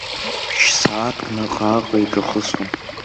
Ԥшь-сааҭк наҟ-ааҟ еиҿахысуан.